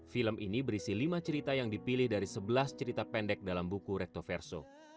film ini berisi lima cerita yang dipilih dari sebelas cerita pendek dalam buku recto verso